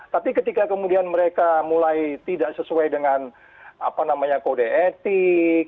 tapi ketika kemudian mereka mulai tidak sesuai dengan kode etik